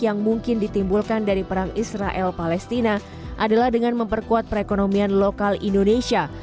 yang mungkin ditimbulkan dari perang israel palestina adalah dengan memperkuat perekonomian lokal indonesia